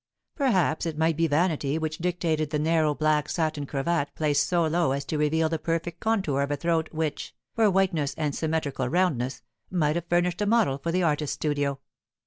Perhaps it might be vanity which dictated the narrow black satin cravat placed so low as to reveal the perfect contour of a throat which, for whiteness and symmetrical roundness, might have furnished a model for the artist's studio.